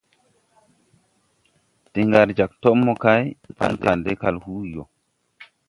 De ngar jāg tob mokay pan Kandɛ kal huugi go.